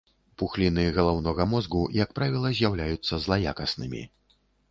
Пухліны галаўнога мозгу, як правіла, з'яўляюцца злаякаснымі.